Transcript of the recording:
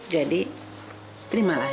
jadi terimalah ini